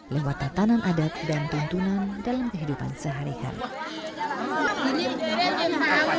lewat tatanan adat dan tuntunan dalam kehidupan sehari hari